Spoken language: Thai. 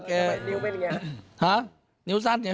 ทำไมนิ้วไม่เรียน